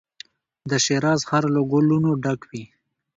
د شیراز ښار له ګلو نو ډک وي.